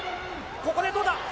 ここで、どうだ。